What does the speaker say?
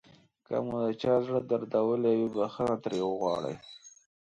که مو د چا زړه دردولی وي بښنه ترې وغواړئ.